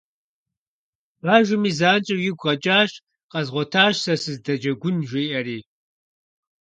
Бажэми занщӀэу игу къэкӀащ, къэзгъуэтащ сэ сызыдэджэгун, жиӀэри.